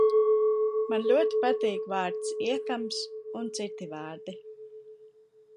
Man ļoti patīk vārds "iekams" un citi vārdi.